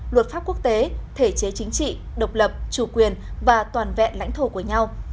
luật pháp quốc tế thể chế chính trị độc lập chủ quyền và toàn vẹn lãnh thổ của nhau